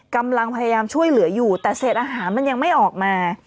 กำลังพยายามช่วยเหลืออยู่แต่เศษอาหารมันยังไม่ออกมา